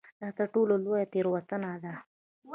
دا تر ټولو لویه تېروتنه ده.